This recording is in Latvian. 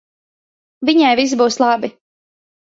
Viņai viss būs labi.